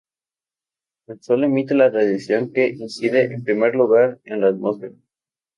El Sol emite la radiación que incide, en primer lugar, en la atmósfera.